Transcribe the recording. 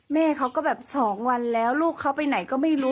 แม่เขาก็แบบ๒วันแล้วลูกเขาไปไหนก็ไม่รู้